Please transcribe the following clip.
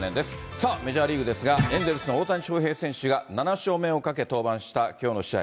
さあ、メジャーリーグですが、エンゼルスの大谷翔平選手が７勝目をかけて登板したきょうの試合。